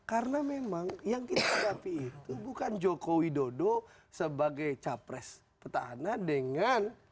karena memang yang kita hadapi itu bukan jokowi dodo sebagai capres petahana dengan